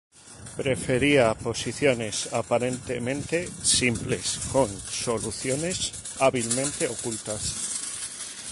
Prefería posiciones aparentemente simples, con soluciones hábilmente ocultas.